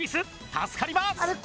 助かります！